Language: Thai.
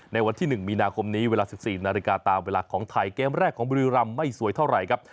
ในวันที่๑มีนาคมนี้เวลา๑๔นาฬิกาตามเวลาของไทยเกมแรกของบุรีรำไม่สวยเท่าไหร่ครับ